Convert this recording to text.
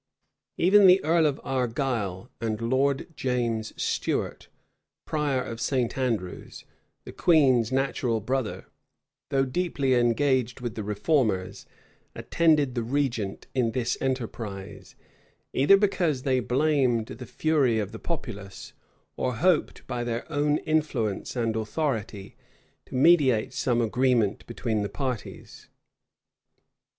Even the earl of Argyle, and Lord James Stuart, prior of St. Andrew's, the queen's natural brother, though deeply engaged with the reformers, attended the regent in this enterprise, either because they blamed the fury of the populace, or hoped by their own influence and authority to mediate some agreement between the parties.